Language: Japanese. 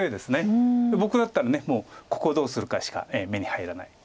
僕だったらもうここをどうするかしか目に入らない。